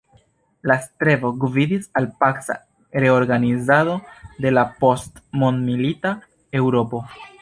La strebo gvidis al paca reorganizado de la post-mondmilita Eŭropo.